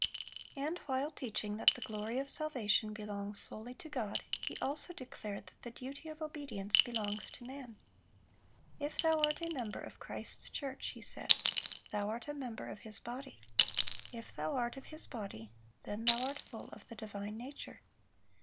(315) And while teaching that the glory of salvation belongs solely to God, he also declared that the duty of obedience belongs to man. "If thou art a member of Christ's church," he said, "thou art a member of His body; if thou art of His body, then thou art full of the divine nature....